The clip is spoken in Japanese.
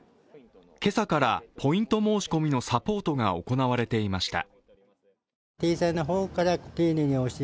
今朝からポイント申し込みのサポートが行われていました。